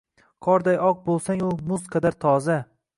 Qorday oq bo’lsang-u, muz qadar toza